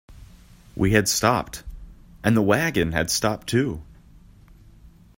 We had stopped, and the waggon had stopped too.